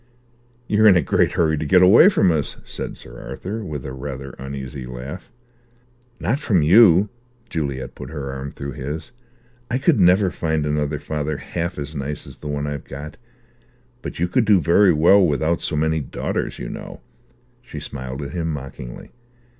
"You're in a great hurry to get away from us," said Sir Arthur, with a rather uneasy laugh. "Not from you." Juliet put her arm through his. "I could never find another father half as nice as the one I've got. But you could do very well without so many daughters, you know." She smiled at him mockingly.